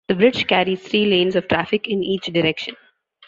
The bridge carries three lanes of traffic in each direction.